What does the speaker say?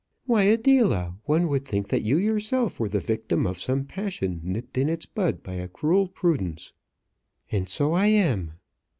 "Why, Adela, one would think that you yourself were the victim of some passion nipped in its bud by a cruel prudence." "And so I am."